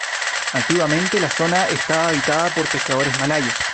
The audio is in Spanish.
Antiguamente, la zona estaba habitada por pescadores malayos.